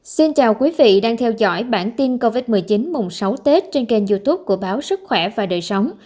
xin chào quý vị đang theo dõi bản tin covid một mươi chín mùng sáu tết trên kênh youtube của báo sức khỏe và đời sống